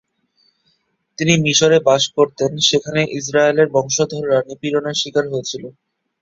তিনি মিশরে বাস করতেন, সেখানে ইস্রায়েলের বংশধররা নিপীড়নের শিকার হয়েছিল।